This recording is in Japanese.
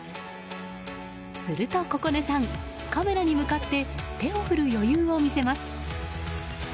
すると心寧さんカメラに向かって手を振る余裕を見せます。